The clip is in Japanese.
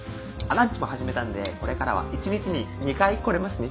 ランチも始めたんでこれからは一日に２回来れますね。